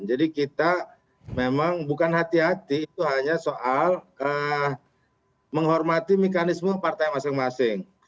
jadi kita memang bukan hati hati itu hanya soal menghormati mekanisme partai masing masing